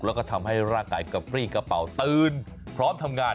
แล้วก็ทำให้ร่างกายกะฟรีกระเป๋าตื่นพร้อมทำงาน